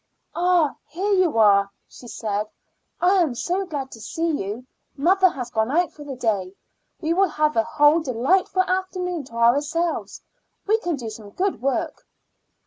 "Ah! here you are," she said. "I am so glad to see you. Mother has gone out for the day; we will have a whole delightful afternoon to ourselves. We can do some good work."